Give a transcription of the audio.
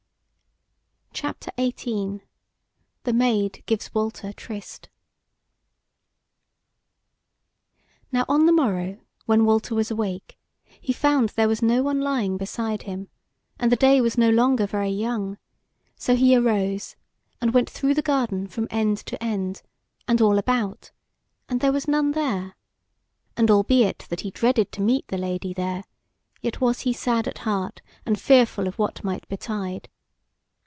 CHAPTER XVIII: THE MAID GIVES WALTER TRYST Now, on the morrow, when Walter was awake, he found there was no one lying beside him, and the day was no longer very young; so he arose, and went through the garden from end to end, and all about, and there was none there; and albeit that he dreaded to meet the Lady there, yet was he sad at heart and fearful of what might betide.